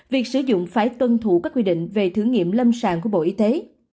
việc sử dụng phải tuân thủ các quy định về thử nghiệm lâm sàng của bộ y tế